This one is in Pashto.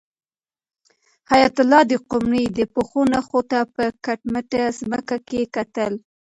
حیات الله د قمرۍ د پښو نښو ته په کټ مټه ځمکه کې کتل.